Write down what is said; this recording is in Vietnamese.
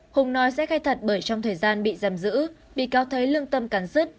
hùng nói sẽ khai thật bởi trong thời gian bị giam giữ bị cáo thấy lương tâm cắn rứt